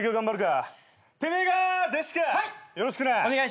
よろしくな。